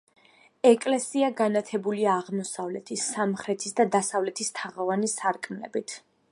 ეკლესია განათებულია აღმოსავლეთის, სამხრეთის და დასავლეთის თაღოვანი სარკმლებით.